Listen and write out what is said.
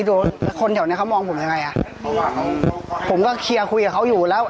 ดูคนแถวเนี้ยเขามองผมยังไงอ่ะผมก็เคียร์คุยกับเขาอยู่แล้ว